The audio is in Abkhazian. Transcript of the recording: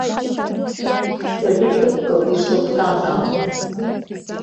Саргьы сықәгылт ишсыхәҭаз ала.